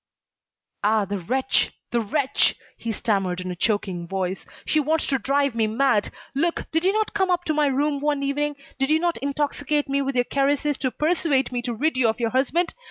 "Ah! The wretch! The wretch!" he stammered in a choking voice, "she wants to drive me mad. Look, did you not come up to my room one evening, did you not intoxicate me with your caresses to persuade me to rid you of your husband?